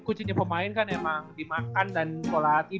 kucinya pemain kan emang dimakan dan pola hati